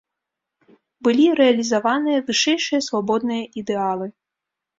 Былі рэалізаваныя вышэйшыя свабодныя ідэалы.